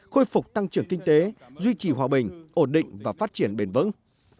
khôi phục tăng trưởng kinh tế duy trì hòa bình ổn định và phát triển bền vững